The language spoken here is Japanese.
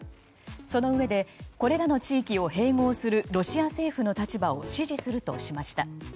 そのうえでこれらの地域を併合するロシア政府の立場を支持するとしました。